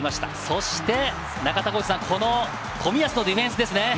そして中田さん、冨安のディフェンスですね。